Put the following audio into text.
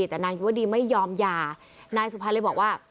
แต่นางอยู่ว่าดีไม่ยอมหย่านายสุภัณฑ์เลยบอกว่า